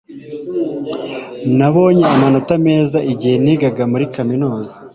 Nabonye amanota meza igihe nigaga muri kaminuza